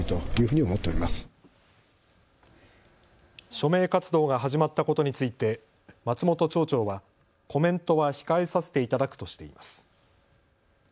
署名活動が始まったことについて松本町長はコメントは控えさせていただくとしています。